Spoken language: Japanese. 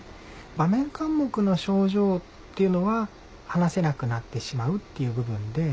場面緘黙の症状っていうのは話せなくなってしまうっていう部分で。